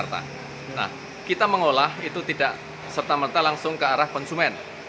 nah kita mengolah itu tidak serta merta langsung ke arah konsumen